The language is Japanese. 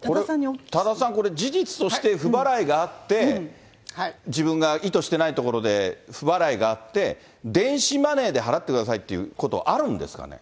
多田さん、これ、事実として不払いがあって、自分が意図していないところで不払いがあって、電子マネーで払ってくださいということはあるんですか？